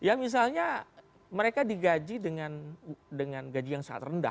ya misalnya mereka digaji dengan gaji yang sangat rendah